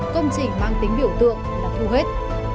công trình mang tính biểu tượng là thu hết